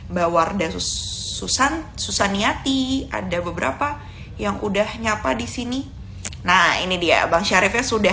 mbak wardaus susan susaniati ada beberapa yang udah nyapa di sini nah ini dia bang syarifnya sudah